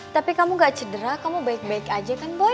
tapi kamu gak cedera kamu baik baik aja kan boy